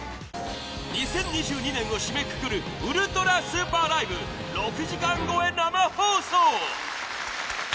２０２２年を締めくくるウルトラＳＵＰＥＲＬＩＶＥ６時間超え生放送！